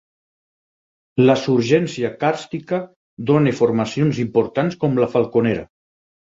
La surgència càrstica dóna formacions importants com la Falconera.